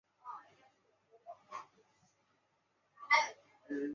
他们的另一职责是参与选举行政长官。